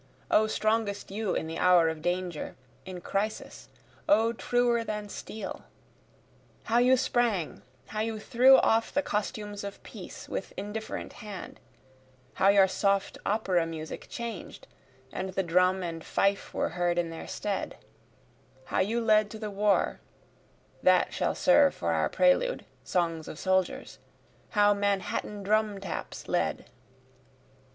O strongest you in the hour of danger, in crisis! O truer than steel!) How you sprang how you threw off the costumes of peace with indifferent hand, How your soft opera music changed, and the drum and fife were heard in their stead, How you led to the war, (that shall serve for our prelude, songs of soldiers,) How Manhattan drum taps led.